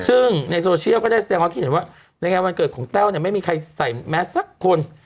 ซึ่งในโซเชียลก็ได้แสดงความคิดเห็นว่าในงานวันเกิดของแต้วเนี่ยไม่มีใครใส่แมสสักคน